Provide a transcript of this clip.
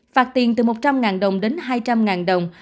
phạt tiền từ một trăm linh đồng đến hai trăm linh đồng